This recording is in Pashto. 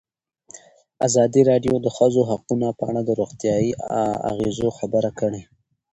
ازادي راډیو د د ښځو حقونه په اړه د روغتیایي اغېزو خبره کړې.